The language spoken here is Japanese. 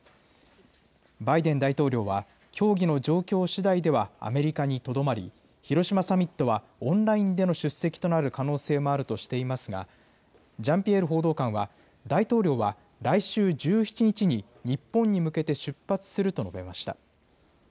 バイデン大統領は、協議の状況しだいではアメリカにとどまり、広島サミットはオンラインでの出席となる可能性もあるとしていますが、ジャンピエール報道官は、大統領は来週１７日に日本に向けて出発すると述べました。